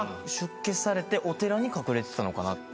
出家されてお寺に隠れてたのかな。